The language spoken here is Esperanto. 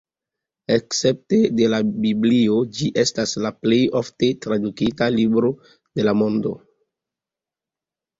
Escepte de la Biblio, ĝi estas la plej ofte tradukita libro de la mondo.